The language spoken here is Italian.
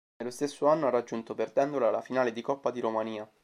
Nello stesso anno ha raggiunto, perdendola, la finale di Coppa di Romania.